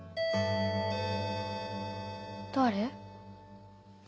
誰？